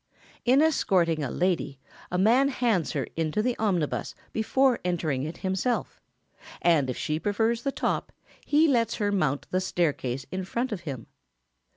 ] In escorting a lady a man hands her into the omnibus before entering it himself; and if she prefers the top, he lets her mount the staircase in front of him.